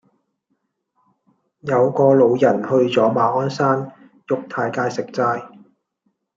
有個老人去左馬鞍山沃泰街食齋